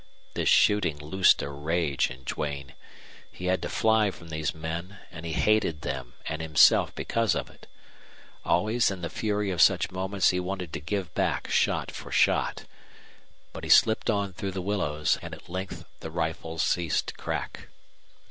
This shooting loosed a rage in Duane. He had to fly from these men, and he hated them and himself because of it. Always in the fury of such moments he wanted to give back shot for shot. But he slipped on through the willows, and at length the rifles ceased to crack.